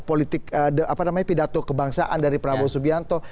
politik apa namanya pidato kebangsaan dari prabowo subianto